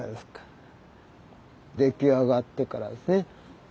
出来上がってからですね。